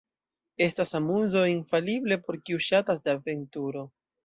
Estas amuzo infalible por kiu ŝatas de aventuro.